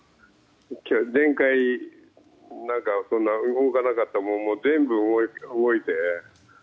前回動かなかったものも全部動いて。